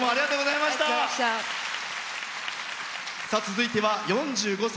続いては、４５歳。